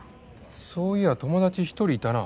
そういや友達１人いたな。